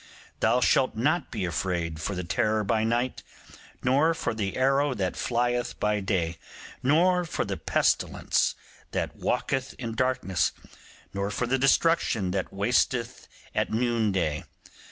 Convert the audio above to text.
Thou shalt not be afraid for the terror by night; nor for the arrow that flieth by day; nor for the pestilence that walketh in darkness; nor for the destruction that wasteth at noonday.